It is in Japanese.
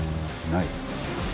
ない？